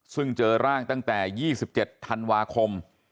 ซึ่งเจอร่างตั้งแต่๒๗ธันวาคม